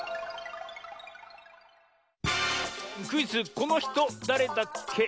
クイズ「このひとだれだっけ？」。